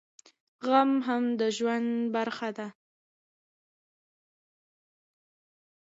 غم هم د ژوند برخه ده